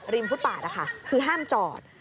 ริมฟุตบาทค่ะคือห้ามจอด